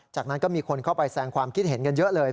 จากนั้นก็มีคนเข้าไปแสงความคิดเห็นกันเยอะเลย